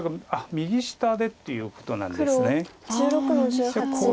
右下でということなんですね。